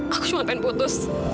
aku cuma pengen putus